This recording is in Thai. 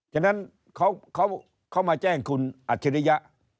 ฉะนั้นเขามาแจ้งคุณอัจฉริยะ